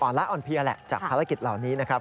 ละอ่อนเพลียแหละจากภารกิจเหล่านี้นะครับ